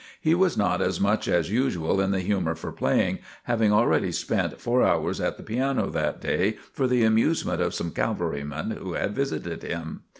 He was not as much as usual in the humor for playing, having already spent four hours at the piano that day for the amusement of some cavalrymen who had visited him.